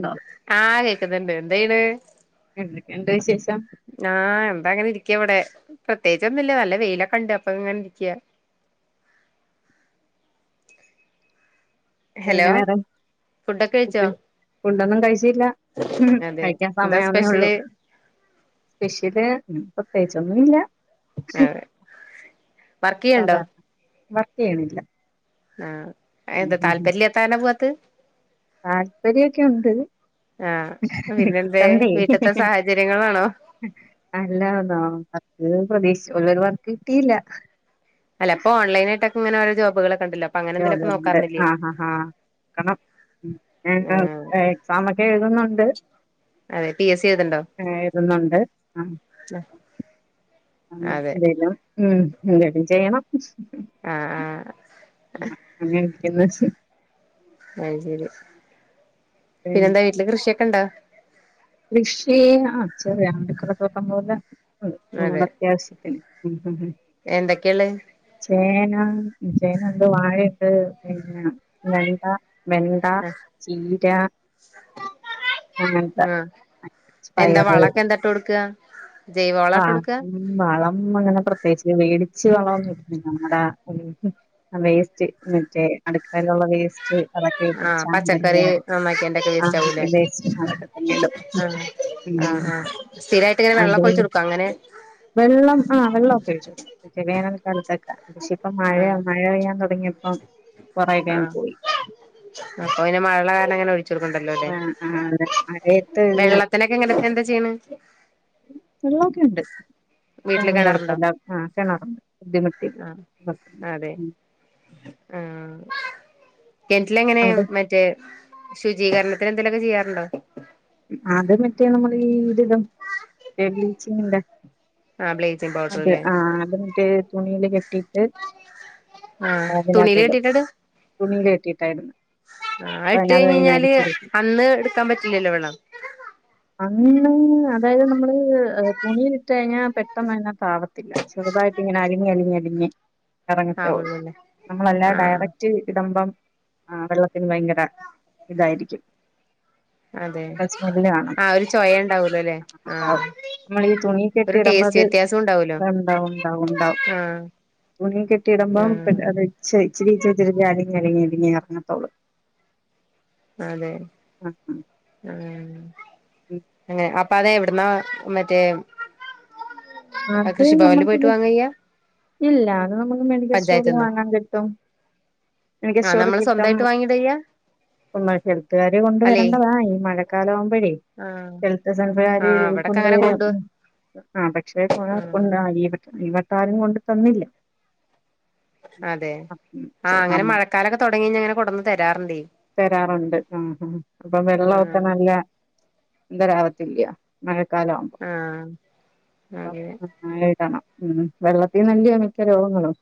ണ്ടോ ആഹ് കേക്കുന്നുണ്ട് എന്തെയ്യ്ണ് എന്തൊക്കെ ണ്ട് വിശേഷം? ആഹ് എന്താ ങ്ങനെ ഇർ ക്കവടെ പ്രത്യേകിച്ചൊന്നുല്ല നല്ല വെയിലൊക്കെണ്ട് അപ്പൊ ഇങ്ങനെ ഇരിക്ക ഹലോ പിന്നെ വേറെെ ഫുഡൊക്കെ കഴിച്ചോ ഫുണ്ടൊന്നും കഴിച്ച് ചില്ല അതെ കഴിക്കാൻ എന്താ സമയേ ആവുന്നേ ഉള്ളൂ സ്പെഷ്യല് സ്പെഷ്യല് പ്രേതിയേയിച്ച് ഒന്നും ഇല്ല അതെ വർക്ക് ചെയ്യണ്ടോ സാധാരണ വർക്ക് ചെയ്യണില്ല ആ അത് എന്താ താല്പര്യല്ലാത്ത കാരണ പോവാത്തെ താല്പര്യൊക്കെ ഉണ്ട് ആഹ് പിന്നെന്തേ കിട്ടണ്ടേ വീട്ട്ത്തെ സാഹചര്യങ്ങളാണോ അല്ലന്നോ വർക്ക് പ്രതീക്ഷിച്ചര് വർക്ക് കിട്ടിയില്ല അല്ല ഇപ്പോ ഓൺലൈനായിട്ടൊക്കെങ്ങനെ ഓരോ ജോബുകൾ ഒകെ ജോബുണ്ട് അ അ ആ കണം [unintelligible] ആഹ് എക്സാം ഒക്കെ എഴുതുന്നുണ്ട് അതെ പി എസ് സി എഴുത്ണ്ടോ ആ എയ്തുന്നുണ്ട് അ മ്മ് അതെ എന്ധെലും ഉം എന്താലും ചെയ്യണം അ ആ അങ്ങക്ക [unintelligible] അത്ശരി പിന്നെ എന്താ വീട്ടില് കൃഷിയോക്കെ ഇണ്ടോ കൃഷി ആ ചെറിയ [unintelligible] പോലെ ഞ്ഞങ്ങളുടെ അത്യാവശ്യത്തിന് ഉം ഉം ഉം എന്തക്കെയുള്ളെ ചേന ഉം ചേന ഉണ്ട് വാഴ ഇട്ട് പിന്നെ വെണ്ട വെണ്ട ആ ചീര അങ്ങൻത്ത എന്ത വളോക്കെ എന്താട്ട് കോടുക്ക അ ആ മ്മ് വളം അങ്ങനെ പ്രത്യേകിച്ച് വെ [unintelligible] വള ഒന്നും ഇല്ല നമ്മടെ വേസ്റ്റ് മറ്റേ അടുക്കളയിലുള്ള വേസ്റ്റ് ക്ഷേ അതോക്കെ ആ ഉച്ച അകുംപോയെ പച്ചക്കറി അത് നന്നാക്കിയന്റെക്കെ അ വേസ്റ്റ് അതോക്കെ തന്നെ ഇടും അ അ ഉം ആ സ്ഥിരായിട്ട് ഇങ്ങനെ അത് വെള്ളക്കോയിച്ച് കോടുക്കും അങ്ങനെ വെള്ളം ആ വെള്ളഒക്കെ ഒഴിച്ചു കൊടുക്കും വേനൽക്കാലത്തോക്കെ പക്ഷേ ഇപ്പം മഴ ആ മഴ പെയ്യാൻ തുടങ്ങിയപ്പം കോറെയൊക്കെ അങ്ങ് പോയി ഇപ്പൊ പിന്നെ മഴ ഉള്ള കാരണം അങ്ങനെ ഒഴി ചുകോടുക്കണ്ടല്ലോ അല്ലേ ആ ആ മഴയത്ത് ഇത് വെള്ളത്തിനെക്കെ എങ്ങന എന്താ ചെയ്യണ് വെള്ളഒക്കെ ഉണ്ട് വീട്ടില് വെള്ളത്തിനൊന്നു കിണറുണ്ടോ കുഴപ്പല്ല കിണറുണ്ട് ബുദ്ധിമുട്ട് ആ അതെ ആ കെണറ്റിലെ എങ്ങനെ അവിടെ മറ്റെ ശുചീകരണത്തിന് എന്തേലോക്കെ ചെയ്യാറുണ്ടോ? അത് മറ്റെ നമ്മൾ ഈ ഇതുടും ബ്ലീ ച്ചിങ്ങിന്റെ ആ ബ്ലീച്ചിങ് പൗഡർ അതെ അല്ലേ ആ അത് മറ്റെ തുണിയിലെ കെട്ട് ട്ടിട്ട് ആ തുണിയില് അതിനാത്ത്ടും തുണിയിൽ കെട്ടിയിട്ടാട്ന്നെ ആ ഇട്ട് കഴിഞ്കഴിഞ്ഞാല് അന്ന് എടുക്കാൻ പറ്റില്ലല്ലോ വെള്ളം അന്ന് അതായത് നമ്മള് തുണീൽ ഇട്ട് കഴിഞ്ഞാൽ പെട്ടെന്ന് തന്നെ താവത്തില്ല ചെറുതായിട്ട് ഇങ്ങനെ അലിഞ് അലിഞ് അലിഞ് എറങ്ങത്തെള്ളു ആവുള്ളൂല്ലേ നമ്മളല്ലാതെ ആഹ് ഡയറക്റ്റ് ഇടമ്പം ആ വെള്ളത്തിന് ഭയങ്കര ഇതായിരിക്കും സ്മെല്ല് കാണം ആ ഒരു ചോയണ്ടാവലോ അല്ലെ ആ നമ്മൾ ഈ തുണി കെട്ടി ഇടുമ്പോ അത് ഉണ്ടാവും ണ്ടാവും ണ്ടാവും. ആഹ് തുണി കെട്ടിയിടുമ്പോം ആഹ് ഇച്ചിരി ഇച്ചിരി ഇച്ചിരി അലി ഞരങ്ങി ഞരിങ്ങി ഇറങ്ങത്തോളൂ അതെ അങ്ങനെ അപ്പോ അത് എവിടന്നാ മറ്റെ ആ അ അത് കൃഷിഭവനിൽ നമ്മൾക്ക് പോയിട്ട് വാങ്ങാചെയ്യാ ഇല്ല അത് നമുക്ക് മെഡിക്കൽ സ്റ്റോറിൽന്ന് വാങ്ങാൻ കിട്ടും മെഡിക്ക ആഹ് സ്റ്റോറിൽ നമ്മള് കിട്ടും സ്വന്തമായിട്ട് വാങ്ങിയിട ചെയ്യാ ഒന്നായിട്ട് എൽത്തുകാര് കോണ്ട് അല്ലെ വരെണ്ടതാണ് മഴക്കാലം ആവുമ്പോഴേ ആഹ് ഹെൽത് സെൻറ്റർ കാർ ആഹ് ഇവിടൊക്കെ കൊണ്ട് അങ്ങനെ വരും മ് ആ പക്ഷെ പോ ആഹ് [unintelligible] ഇ ഈവട്ടാരും കൊണ്ട് തന്നില്ല അതെ ഉം ആ അങ്ങനെ നം മഴക്കാലക്കെ തൊടങ്ങിയ്ഞ്ഞ അങ്ങനെ കൊടന്ന് തരാറ്ണ്ടേ തരാറുണ്ട് മ് ഹ് അപ്പൊ വെള്ള ഒക്കെ ആഹ് നല്ല ന്തരാവത്തില്യ മഴ ആ [unintelligible] മ് വെള്ളത്തീന്നല്ലേ മിക്ക രോഗങ്ങളും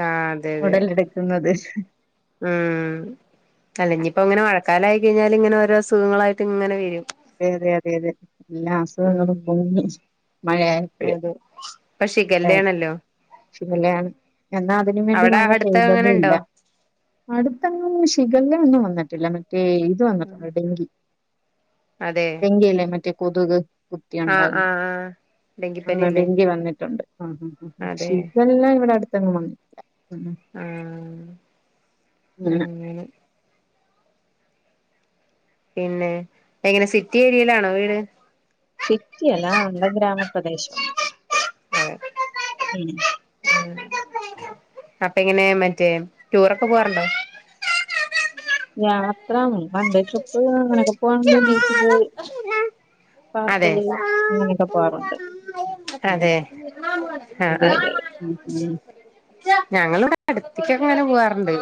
ആഹ് അതെ അതെ ഉടലെടുക്കുന്നത് ഉം അതെ അല്ലഞ്ഞിപ്പോ ഇങ്ങനെ മഴക്കാലയിക്കഴിഞ്ഞാല് ഇങ്ങനെ ഓരോ അസുഖങ്ങളായിട്ട് ഇങ്ങനെ വരും. അതെ അതെ അതെ അതെ എല്ലാ അസുഖങ്ങളും ഉം പൊങ്ങി മഴയായപ്പഴേ പ്പ ഷിഖല്ലാണല്ലോ ഷിഗല്ല യാണ് എന്നാ അതിനു വേണ്ടി അവിടെ മഴ അടുത്ത് അങ്ങനെ പെയ്തതുല്ല ഉണ്ടോ അടുത്തങ്ങും ശിഖല്ല ഒന്നും വന്നിട്ടില്ല മറ്റേ ഇത് വന്ന് ഡെങ്കി അതെ ഡെങ്കില്ലെ മറ്റേ കൊതുക് ആഹ് കുത്തിയുണ്ടായിരുന്നു ആഹ് ആഹ് ഡെങ്കിപ്പനി ആ അല്ലേ ഡെങ്കി വന്നിട്ടുണ്ട്. ആ അ അ അ അതെ ഷിഗല്ല ഇവിടെ അടുത്തങ്ങും വന്നിട്ടില്ല. ആ അങ്ങനെ അങ്ങെനെ പിന്നെ എങ്ങനെ സിറ്റി ഏരിയയിലാണോ വീട്? അതെ സിറ്റിയല്ലാ വ്ടെ ഗ്രാമപ്രദേശമാണ്. ഏ ഉം അപ്പങ്ങനെ മറ്റേ ടൂറൊക്കെ പോവാർണ്ടൊ യാത്ര വണ്ടേ ട്രിപ്പ് അങ്ങനൊക്കെ പോവണ്ട് ബീച്ചില്. അതെ പാർക്കില് അങ്ങനെയൊക്കെ പോവാറുണ്ട് ഉം അതെ ആ അതെ അ അതെ ഉം ഉം ഞങ്ങളിവ്ടെ അടുത്തെക്കങ്ങനെ പോവാർ ണ്ട്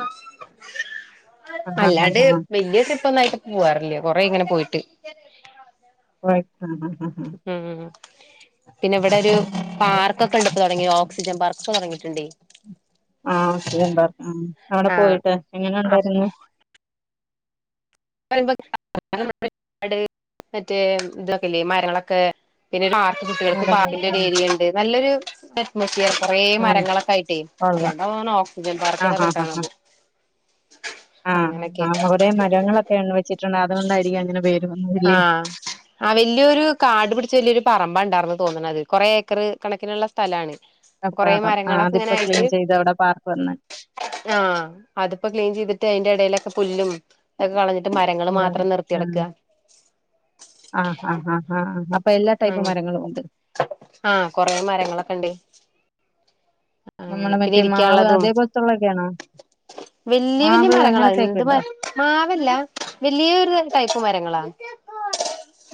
ആഹ് അല്ലാണ്ട് ആഹ് ആഹ് വല്യ സ്ഥ തന്നായിട്ട് പോവാറില്ല കൊറെയി ഇങ്ങനെ പോയിട്ട്. പോയിട്ട് അ ആ ഉം പിന്നെ ഇവിടെ ഒരു പാർക്കൊ ക്കെണ്ട് പ്പ തൊടങ്ങിയ ഓക്സിജൻ പാർക്ക് ക്കെ തൊടങ്ങിട്ടുണ്ടേ ആ ഓക്സിജൻ പാർക്ക് അവിടെ ആഹ് പോയിട്ട് എങ്ങനെണ്ടായിരുന്നു [unintelligible] [unintelligible] മറ്റെ തൊക്കെല്ലെ മരങ്ങളൊക്കെ പിന്നെ മാ കുട്ടികൾക്ക് മരങ്ങള് പാർക്കിന്റെര് ആഹ് ഏരിയണ്ട് നല്ലൊരു അറ്റ്മോസ്ഫിയറ കുറെേ ആഹ് മരങ്ങളൊക്കെയിട്ടേ കൊള്ളാം അതോണ്ടാന്ന്ണ് ഓക്സിജൻ പാർക്കന്നൊകിട്ടണത് ആ അവടെ മരങ്ങളൊക്കെ വെച്ചിട്ടുണ്ട് അതുകൊണ്ടായിരിക്കും അങ്ങനെ പേര് വന്നതില്ലേ ആ വല്ല്യൊരു കാടു പിടിച്ച വല്യരു പറമ്പ ഇണ്ടായിർന്ന് തോന്നണത് കൊറെേ ഏക്കർ കണക്കിനുള്ള സ്ഥലാണ് കൊറേ അപ്പാദം ആ മരങ്ങളൊക്കെ അതിപ്പ ക്ലീൻ ചെയ്ത് അവ്ടെ പാർക്ക് വന്ന് ആ അതിപ്പോ ക്ലീൻ ചെയ്തിട്ട് അയിന്റെടെലൊക്കെ പുല്ലും ക്കെ കളഞ് മരങ്ങള് മാത്രം നിർത്തിയെടുക്ക ആ ആ ആ ആ ആ അപ്പൊ എല്ലാ ടൈപ്പ് മരങ്ങളു ഉണ്ട് ആ കൊറെ മരങ്ങളൊക്കെണ്ട് നമ്മുടെ മറ്റേ മാവ് അതേ പോൽത്തുള്ളക്കെണോ വല്യ വല്യ മരങ്ങളാ എന്ത് മ മാവല്ല വലിയൊരു ടൈപ്പ് മരങ്ങളാ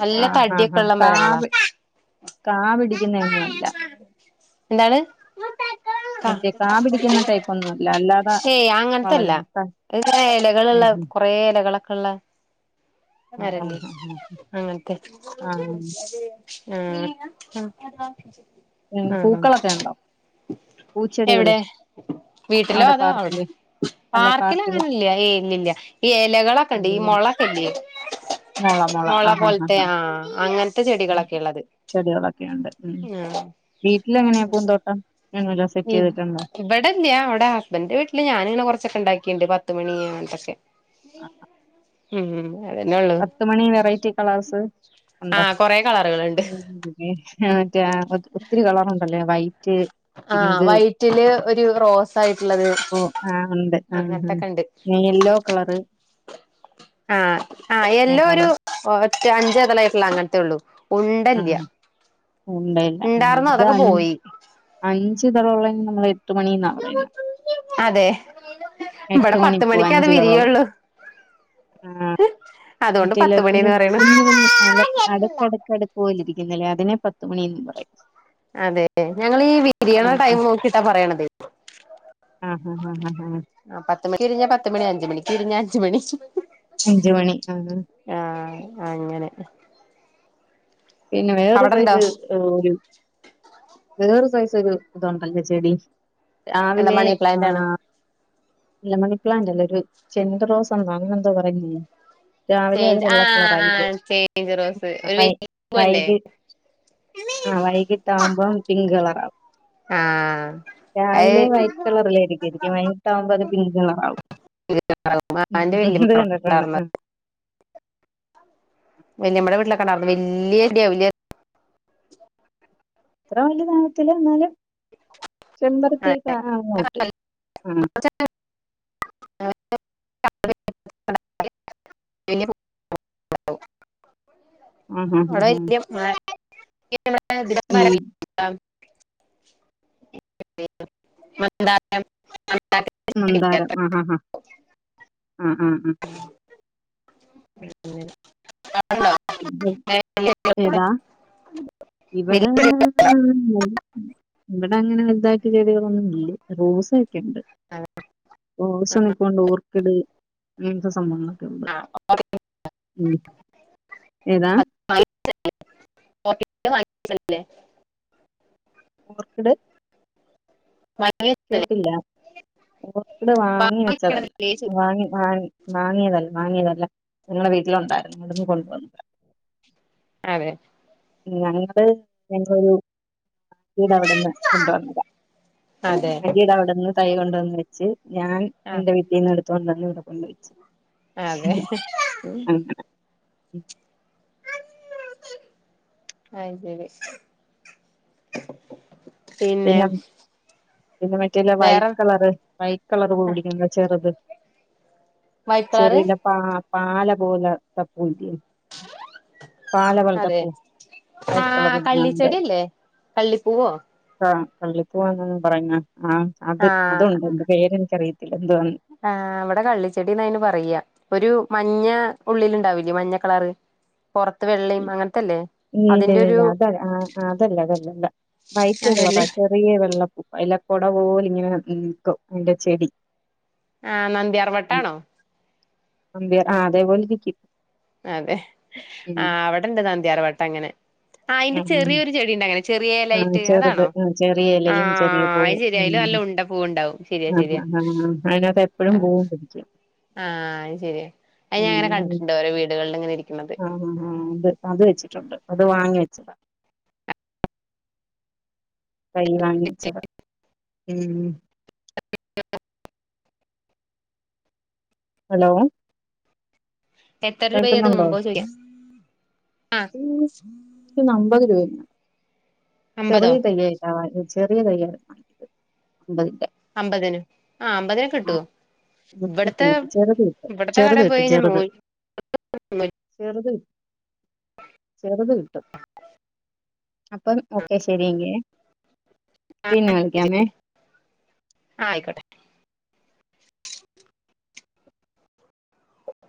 നല്ല ആഹ് ആഹ് ആഹ് തടിക്കെള്ള മരങ്ങളാ കാവ് കാ പിടിക്കുന്നയൊന്നും അല്ല എന്താണ് ആ മറ്റേ കാ പിടിക്കുന്ന ടൈപ്പ് ഒന്നും അല്ല അല്ലാതെ ശേ അങ്ങത്തെല്ല വളരുന്ന ത എങ്ങനെ ഉം എലകളുള്ള കൊറേ എലകളൊക്കെള്ള ഉം ആഹ് അരളി ആഹ് ആഹ് അങ്ങൻത്തെ ആഹ് ആഹ് ആ അ [unintelligible] ഉം പൂക്കളൊക്കെ ണ്ടൊ എവിടെ വീട്ടിലോ അതോ അവിടെ പാർക്കില് അങ്ങനെല്ല ഏ ഇല്ലല്ല ഈ എലകളൊക്കെ ഇണ്ട് ഈ മുളൊക്കെ ഇല്ലേ. മൊള മൊള മുള ആഹ് ആഹ് പോലത്തെ ആഹ് ആഹ് ആ അങ്ങനത്തെ ചെടികളൊക്കെ അ ഉള്ളത്. [inaudible] ണ്ട് ആഹ് വീട്ടില് എങ്ങനെയാ പൂന്തോട്ടം അങ്ങനെല്ലാം സെറ്റ് ഇ ചെയ്തിട്ടുണ്ടോ ഇവിടല്ല്യാ അവിടെ ഹസ്ബൻന്റെ വീട്ടില് ഞാനി ഇങ്ങനെ കൊറച്ചൊക്കെ ഉണ്ടാക്കി ക്കെണ്ട് പത്ത്മണി അട്ടൊക്കെ മ് പത്ത്മണി വെറൈറ്റി കളേഴ്സ് ഉണ്ടോ. ആഹ് കൊറെ കളറുകളുണ്ട് [inaudible] അ മറ്റേ ഒത്തിരി കളറുണ്ടല്ലേ വൈറ്റ് ആഹ് പിങ്ക് വൈറ്റില് ഒരു റോസ് ആയിട്ടുള്ളത് ഒ ആ ഉണ്ട് ആ അ അങ്ങനത്തൊക്കെ ഉണ്ട് നീല്.. യെല്ലോ കളറ് ആഹ് ആ യെല്ലോ ഒരു കാണും. ഒറ്റ അഞ്ചതളായിട്ടുള്ള അങ്ങനത്തെേ ഉള്ളൂ. ആഹ ഉണ്ടല്ല ഉണ്ടല്ല ഉണ്ടാർന്നു അത് അതൊക്കെ അഞ് പോയി അഞ്ച് ഇതളുള്ളതൊന്നും നമ്മളെ അതെ എട്ട് ഇവിടെ പത്ത് മണിപ്പൂ മണിക്കേ അത് അഞ്ച് തളമുള്ള വിരിയുള്ളു. ആ മറ്റേല്ല പത്ത് കുഞ്ഞ് മണിന്ന് കുഞ്ഞു കുഞ്ഞ് അല്ല പറയണു അടുക്ക്ടുക്ക്അടുക്ക് പോലെ ഇരിക്കുന്നല്ലേ അതിനെ പത്ത് മണീന്നും പറയും. അതെ ഞളങ്ങീ വിരിയണ ആ ടൈം നോക്കിട്ടാ പറയണത്. ആഹ് ഹഹ് ഹഹ് ഹ് ആ പത്ത് വിരിഞ്ഞ പത്ത് മണി അഞ്ച് മണിക്ക് വിരിഞ്ഞാ അഞ്ച് മണി. അഞ്ച് മണി ആ ആ അങ്ങനെ പിന്നെ വേറൊരു അവിടെണ്ടോ സൈസ് ഒരു വേറൊരു സൈസ് ഇതൊരു ഇതൊണ്ടല്ലോ ചെടി - - എന്താ രാവിലെ മണി ആ പ്ലാന്റ് ആണോ ഇല്ല മണി പ്ലാന്റ് അല്ലേ രു ചെണ്ട്റോസം എന്താ പറയില്ലേ. രാവിലെ അത് ചേഞ്ച് ആഹ് വെള്ളക്കളറായിരിക്കും ആഹ് ചേഞ്ച് റോസ് ഒരു വലിയ പൂവല്ലേ വൈകി ആ വൈകിട്ട് ആകുമ്പോം പിങ്ക് കളർ ആകും. ആഹ് രാവിലെ അത് വൈറ്റ് കളറിലായിരിക്കും ഇരിക്കുക വൈകിട്ട് ആകുമ്പോ അത് പിങ്ക് കളർ ആകും. മ് ആ എന്റെ ഇത് വല്യമ്മ കണ്ടിട്ടൊണ്ട് ആ ഉണ്ടാർന്നത് വല്യമ്മയുടെ വീട്ടിലൊക്കെണ്ടാരുന്നു വല്യ [unintelligible] ഇത്ര വലിയതാവത്തില്ല എന്നാലും ചെമ്പരത്തീക്ക അങ്ങോട്ട് ആ അവിടെ ആ ഹാ ഹാ അവിടെ ഹാ [unintelligible] ഈ [unintelligible] [unintelligible] ചെടിയില്ലേ നന്താരം അത്ര ആ ആ ആ ആ ആ അവിടുണ്ടോ അങ്ങനെ വലിയ ചെടികളൊക്കെ ഏതാ ഇവിട വലിയ ഇവിടെ അങ്ങനെ വലുതായിട്ട് ചെടികളൊന്നും ഇല്ല. റോസൊക്കെണ്ട് റോസ നിപ്പുണ്ട് ഓർ കെട് അങ്ങനത്തെ സംഭവങ്ങളൊക്കെ ഉണ്ട് ആഹ് ഓക്കെ ഉം ഏതാ [unintelligible] ഓർക്കിട് കേട്ടില്ല ഓർക്കിട് വാങ്ങി വെച്ചതല്ല വാങ്ങി വാങ്ങി വാങ്ങിയതല്ല വാങ്ങിയതല്ല. ഞങ്ങടെ വീട്ടിലുണ്ടായിരുന്നു അവിടുന്ന് കൊണ്ട് വന്നതാ. അതെ ഞങ്ങള് ഞങ്ങളൊരു ആന്റീടെ അവിടെന്ന് കൊണ്ട് വന്നതാ അതെ ആന്റീട അവിടെന്ന് തൈ കൊണ്ടുവന്ന് വെച്ച് ഞാൻ ആ എന്റെ വീട്ടിൽ നിന്ന് എടുത്തൊണ്ടന്ന് ഇവിടെ കൊണ്ടവെച്ചു അതെ ഉം അ ശരി പിന്നെ പിന്നെ മറ്റേല്ല വേറെ വൈറ്റ് കളറ് വൈറ്റ് കളർ കൂടി [unintelligible] ചെറുത് വൈറ്റ് കളറ് ചെറില്ല പാ പാല പോലെ [unintelligible] പാല വലത അതെ പൂ ആ വൈറ്റ് കളർ കള്ളിച്ചെടിയല്ലേ കള്ളിപ്പൂവോ ആ കള്ളി പൂവാ [unintelligible] പറയണ ആ അത് ആ അതുണ്ട് എന്റെ പേര് എനിക്കറിയല്ല ആ അവിടെ കള്ളിച്ചെടിന്ന്തിന് പറയാ ഒരു മ മഞ്ഞ ഉള്ളിൽ ഉണ്ടാവില്ലേ മഞ്ഞ കളർ പുറത്ത് വെള്ളി അങ്ങന ഇല്ല ഇല്ല അതല്ല് അതല്ലേ അതല്ലല്ല വൈറ്റ് അതല്ലേ കളറ ചെറിയ വെള്ളപ്പൂ [unintelligible] കൊട പോോല ഇങ്ങനെ [unintelligible] അയ്ന്റെ ചെടി ആ നന്ദ്യാർവട്ടാണോ അ അതെപോലിരിക്കും അതെ ആ അവിടെണ്ട് നന്ത്യാർവട്ടം അങ്ങനെ ആ അയിന്റെ ഉം ഉം ചെറിയൊരു ചെടി ഇണ്ടായിനിം ചെറിയ ആ ലൈറ്റ് ചെറുത് അതാണോ ഉം ചെറിയ ആ ഇലയും ചെറിയ അയത് പൂവും ശരിയായാലും നല്ല ഉം ഉണ്ട പൂവ് ഉണ്ടാവും ശരിയാ ആ ശരിയാ ആ ആ അതിനകത്ത് എപ്പയും ആ [unintelligible] ആ അത് ശെരിയ അത് ഞൻ ഇങ്ങനെ കണ്ടിട്ടുണ്ട് ഓരോ വീടുകളിൽ ഇങ്ങനെ ഇരിക്ക്ണത് ആ ആ ആ അത് അത് വെച്ചിട്ടുണ്ട് അത് വാങ്ങി വെച്ചതാ തൈ വാങ്ങി വെച്ചതാ ഉം ഹലോ എത്ര രൂപയാ അത് കേൾക്കുന്നുണ്ടോ വോമ്പോ ചെയ്യാം അമ്പത് രൂപന്ന അമ്പതോ ചെറിയ തയ്യായി ചെറിയ തയ്യായി അമ്പതി അമ്പതിന് ആ അമ്പതിനൊ കിട്ടുവോ കിട്ടും ഇവിടത്തെ കിട്ടും ചെറുത് കിട്ടും ഇവിടത്തെ കട ചെറുത് കിട്ടും പോയിഴിഞ്ഞാ ചെറുത് ന ചെറുത് ചെറുത് കിട്ടും അപ്പൊ ഓക്കെ ശരിങ്കേ പിന്നെ വിളിക്കാമേ ആ ആയിക്കോട്ടെ